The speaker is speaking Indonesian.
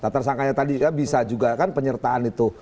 tersangkanya tadi kan bisa juga kan penyertaan itu